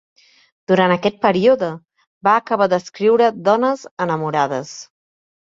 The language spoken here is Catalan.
Durant aquest període va acabar d'escriure "Dones enamorades".